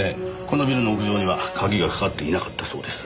このビルの屋上には鍵がかかっていなかったそうです。